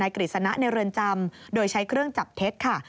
กฤษณะในเรือนจำโดยใช้เครื่องจับเท็จค่ะ